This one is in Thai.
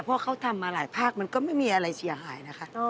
เพราะเขาทำมาหลายภาคมันก็ไม่มีอะไรเสียหายนะคะ